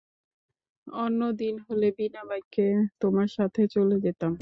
অন্য দিন হলে বিনা বাক্যে তোমার সাথে চলে যেতাম।